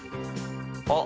あっ！